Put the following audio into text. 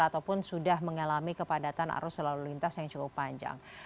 ataupun sudah mengalami kepadatan arus selalu lintas yang cukup panjang